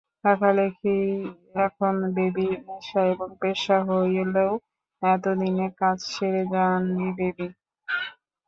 লেখালেখিই এখন বেবির নেশা এবং পেশা হলেও এতদিনের কাজ ছেড়ে যাননি বেবি।